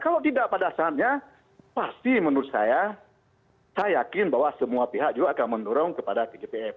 kalau tidak pada saatnya pasti menurut saya saya yakin bahwa semua pihak juga akan mendorong kepada tgpf